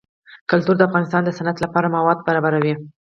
کلتور د افغانستان د صنعت لپاره مواد برابروي.